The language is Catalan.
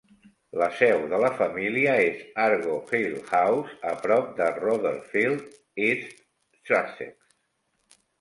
La seu de la família és Argo Hill House, a prop de Rotherfield, East Sussex.